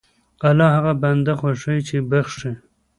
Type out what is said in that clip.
الله هغه بنده خوښوي چې بخښي.